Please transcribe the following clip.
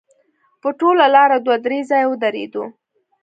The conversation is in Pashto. په ټوله لاره دوه درې ځایه ودرېدو.